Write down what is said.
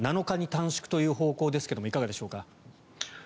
７日に短縮という方向ですがいかがでしょうか。